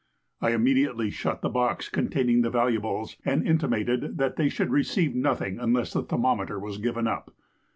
I immediately shut the box containing the valuables, and intimated that they should receive nothing unless the thermometer was given up.